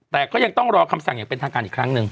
แต่ก็ยังต้องรอคำสั่งอย่างเป็นทางการอีกครั้งหนึ่ง